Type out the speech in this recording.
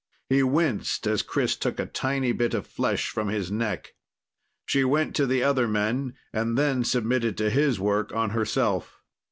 He winced as Chris took a tiny bit of flesh from his neck. She went to the other men, and then submitted to his work on herself.